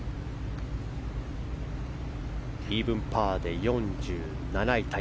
イーブンパーで４７位タイ。